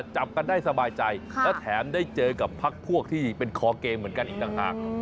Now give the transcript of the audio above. จับกันได้สบายใจและแถมได้เจอกับพักพวกที่เป็นคอเกมเหมือนกันอีกต่างหาก